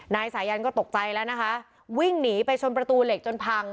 นายสายันก็ตกใจแล้วนะคะวิ่งหนีไปชนประตูเหล็กจนพัง